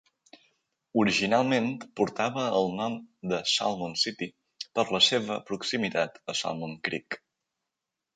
Originalment portava el nom de Salmon City per la seva proximitat a Salmon Creek.